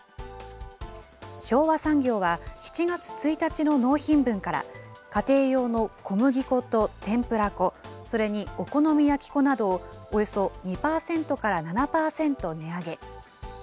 昭和産業は７月１日の納品分から、家庭用の小麦粉と天ぷら粉、それにお好み焼き粉などを、およそ２％から７％値上げ。